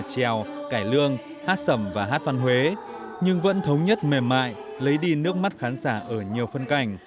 trèo cải lương hát sầm và hát văn huế nhưng vẫn thống nhất mềm mại lấy đi nước mắt khán giả ở nhiều phân cảnh